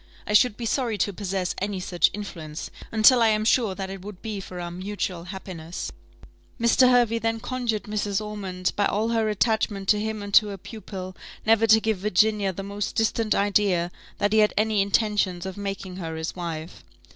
I should be sorry to possess any such influence, until I am sure that it would be for our mutual happiness." Mr. Hervey then conjured Mrs. Ormond, by all her attachment to him and to her pupil, never to give Virginia the most distant idea that he had any intentions of making her his wife.